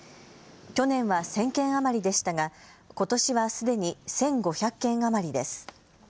去年は１０００件余りでしたがことしはすでに１５００件余りです。